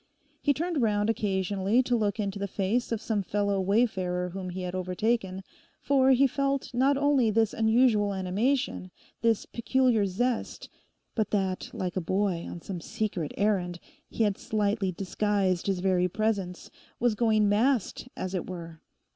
He turned round occasionally to look into the face of some fellow wayfarer whom he had overtaken, for he felt not only this unusual animation, this peculiar zest, but that, like a boy on some secret errand, he had slightly disguised his very presence, was going masked, as it were.